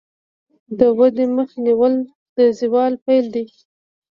د ودې مخه نیول د زوال پیل دی.